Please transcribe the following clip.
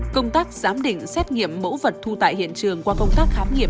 công tác giám định xét nghiệm mẫu vật thu tại hiện trường qua công tác khám nghiệm